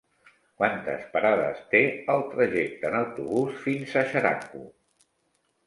Quantes parades té el trajecte en autobús fins a Xeraco?